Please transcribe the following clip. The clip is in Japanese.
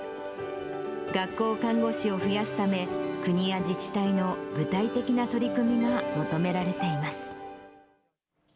学校看護師を増やすため、国や自治体の具体的な取り組みが求められています。